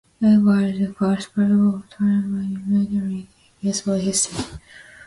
It was the first playoff tiebreaker in Major League Baseball history.